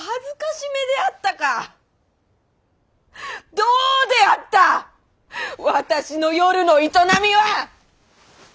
どうであった私の夜の営みは？